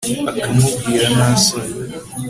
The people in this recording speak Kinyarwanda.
akamubwira nta soni